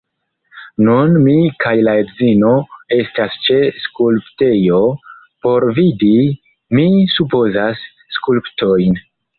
Nun mi kaj la edzino estas ĉe skulptejo, por vidi, mi supozas, skulptojn.